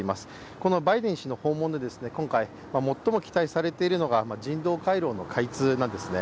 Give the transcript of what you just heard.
このバイデン氏の訪問で、今回最も期待されているのが人道回廊の開通なんですね。